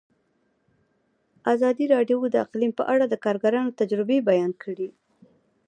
ازادي راډیو د اقلیم په اړه د کارګرانو تجربې بیان کړي.